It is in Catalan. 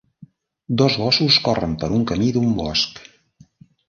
Dos gossos corren per un camí d'un bosc.